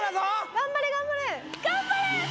頑張れ頑張れ頑張れ！